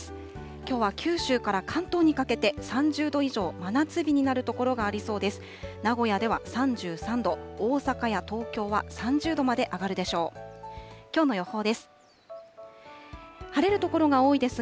きょうは九州から関東にかけて、３０度以上、真夏日になる所がありそうです。